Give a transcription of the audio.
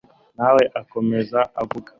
nawe ukankomeza uvuga